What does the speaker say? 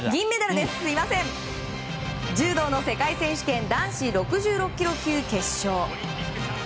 柔道の世界選手権男子６６ｋｇ級決勝。